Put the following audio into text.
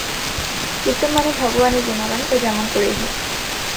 কীর্তন মানে ভগবানের গুণগান, তা যেমন করেই হোক।